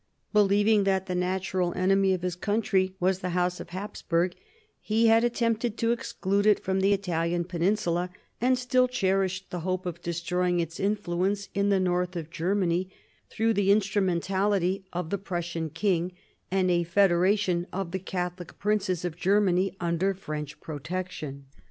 Believing that the natural enemy of his country was the House of Hapsburg, he had attempted to exclude it from the Italian peninsula, and still cherished the hope of de stroying its influence in the north of Germany through the instrumentality of the Prussian king and a federa tion of the Catholic princes of Germany under French protection.